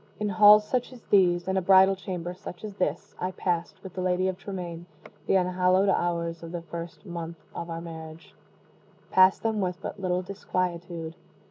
In halls such as these in a bridal chamber such as this I passed, with the Lady of Tremaine, the unhallowed hours of the first month of our marriage passed them with but little disquietude.